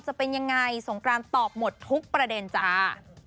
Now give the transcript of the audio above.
จะเป็นยังไงสงกรานตอบหมดทุกประเด็นจ้า